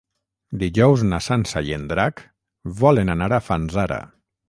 Dijous na Sança i en Drac volen anar a Fanzara.